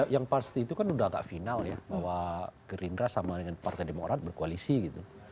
yang pasti itu kan udah agak final ya bahwa gerindra sama dengan partai demokrat berkoalisi gitu